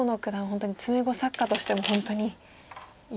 本当に詰碁作家としても本当に有名ですよね。